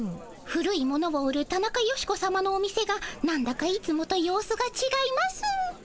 古い物を売るタナカヨシコさまのお店がなんだかいつもと様子がちがいます。